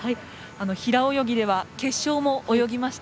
平泳ぎでは決勝も泳ぎました。